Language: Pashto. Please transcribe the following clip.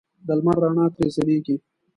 د لمر رڼا ترې ځلېږي.